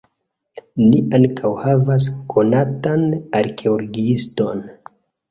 Ni ankaŭ havas konatan arkeologiiston.